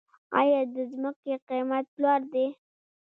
آیا د ځمکې قیمت لوړ دی؟